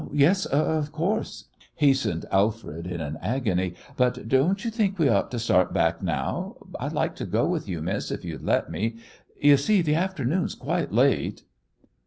"Yes, of course," hastened Alfred, in an agony. "But don't you think we ought to start back now? I'd like to go with you, miss, if you'd let me. You see the afternoon's quite late."